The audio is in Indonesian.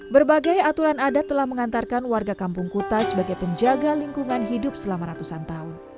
berbagai aturan adat telah mengantarkan warga kampung kuta sebagai penjaga lingkungan hidup selama ratusan tahun